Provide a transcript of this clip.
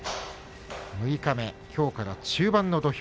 六日目、きょうから中盤の土俵。